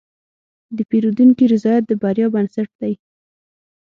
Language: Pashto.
د پیرودونکي رضایت د بریا بنسټ دی.